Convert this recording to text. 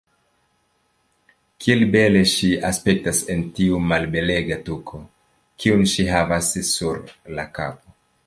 Kiel bele ŝi aspektas en tiu malbelega tuko, kiun ŝi havas sur la kapo.